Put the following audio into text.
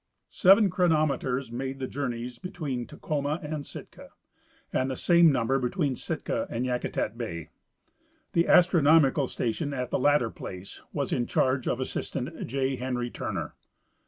Seven chronometers made the journej^s between Tacoma and Sitka, and the same number between Sitka and Yakutat bay. The astronomical station at the latter place was in charge of assistant J. Henry Turner.